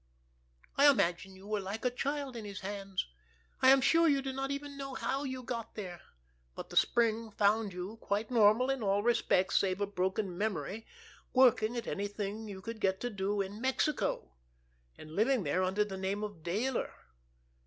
I imagine you were like a child in his hands. I am sure you do not even know how you got there, but the spring found you, quite normal in all respects save a broken memory, working at anything you could get to do in Mexico, and living there under the name of Dayler.